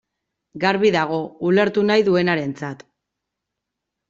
Garbi dago, ulertu nahi duenarentzat.